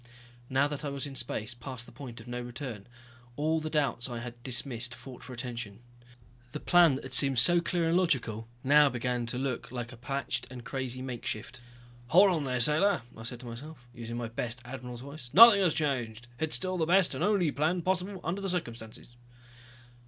Now that I was in space, past the point of no return, all the doubts that I had dismissed fought for attention. The plan that had seemed so clear and logical now began to look like a patched and crazy makeshift. "Hold on there, sailor," I said to myself. Using my best admiral's voice. "Nothing has changed. It's still the best and only plan possible under the circumstances."